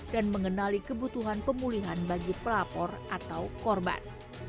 dan mengenali kebutuhan pemulihan bagi pelapor atau korban